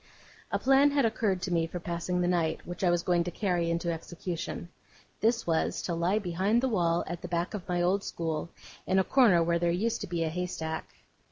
A plan had occurred to me for passing the night, which I was going to carry into execution. This was, to lie behind the wall at the back of my old school, in a corner where there used to be a haystack.